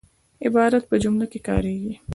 عبارت په جمله کښي کاریږي.